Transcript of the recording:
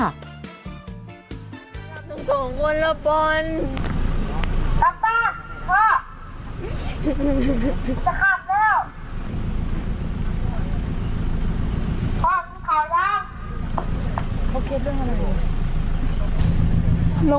นุ่มสองคนระบบนตั๊มป้าพ่อจะขับแล้ว